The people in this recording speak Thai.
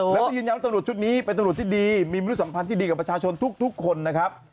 แล้วก็ยืนยันว่าตำรวจชุดนี้เป็นตำรวจที่ดีมีมนุษัมพันธ์ที่ดีกับประชาชนทุกคนนะครับ